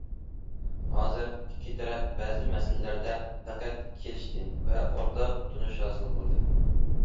ھازىر ئىككى تەرەپ بەزى مەسىلىلەردە پەقەت كېلىشتى ۋە ئورتاق تونۇش ھاسىل قىلدى.